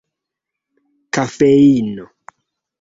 kafeino